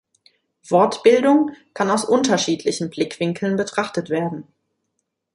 Wortbildung kann aus unterschiedlichen Blickwinkeln betrachtet werden.